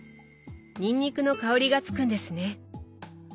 にんにくの香りがつくんですね。